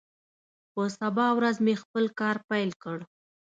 په سبا ورځ مې خپل کار پیل کړ.